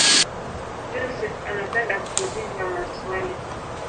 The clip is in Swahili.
Joseph anapenda kuuliza maswali